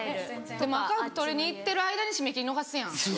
でも赤福取りに行ってる間に締め切り逃すやん。